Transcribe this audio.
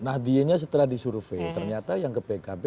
nahdiennya setelah disurvei ternyata yang ke pkb